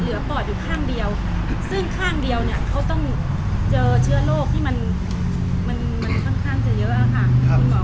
คุณหมอก็ต้องใช้เวลาในการศึกษาว่ามันมีเชื้อตัวไหน